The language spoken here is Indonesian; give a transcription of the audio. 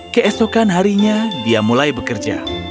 keesokan harinya dia mulai bekerja